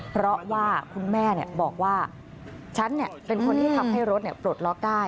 เพราะว่าคุณแม่บอกว่าฉันเป็นคนที่ทำให้รถปลดล็อกได้